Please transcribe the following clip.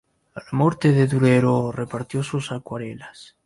A la muerte de Durero, repartió sus acuarelas.